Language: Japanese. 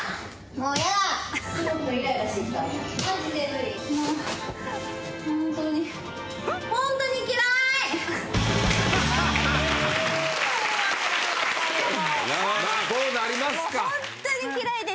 もう本当に嫌いで。